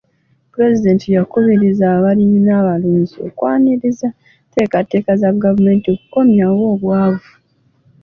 Pulezidenti yakubiriza abalimi n'abalunzi okwaniriza enteekateeka za gavumenti okukomya obwavu.